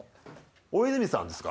大泉さんですか？